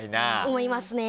思いますね。